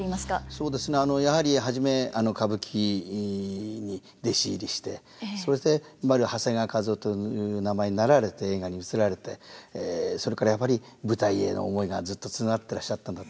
そうですねやはり初め歌舞伎に弟子入りしてそして今の長谷川一夫という名前になられて映画に移られてそれからやっぱり舞台への思いがずっとつながってらっしゃったんだと思いますね。